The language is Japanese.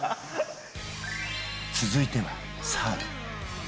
続いてはサーブ。